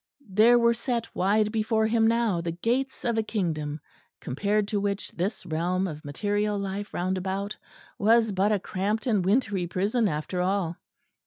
There were set wide before him now the gates of a kingdom, compared to which this realm of material life round about was but a cramped and wintry prison after all.